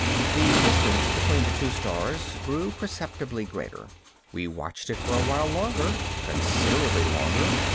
The distance between the two stars grew perceptibly greater. We watched it for a while longer, considerably longer.